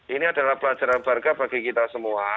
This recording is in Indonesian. ini adalah pelajaran barga bagi kita semua